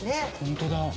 本当だ。